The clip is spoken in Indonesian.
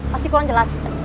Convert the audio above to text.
pasti kurang jelas